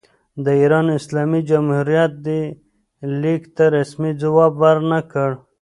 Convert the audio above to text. د ایران اسلامي جمهوریت دې لیک ته رسمي ځواب ور نه کړ.